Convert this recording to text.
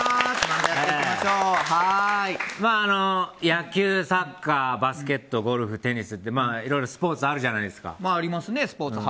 野球サッカーバスケット、テニスいろいろスポーツあるじゃないですか。